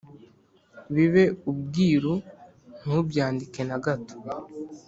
bibe ubwiru ntubyandike na gato